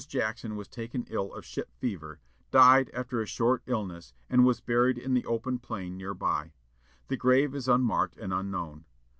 Jackson was taken ill of ship fever, died after a brief illness, and was buried in the open plain near by. The grave is unmarked and unknown.